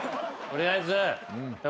取りあえず。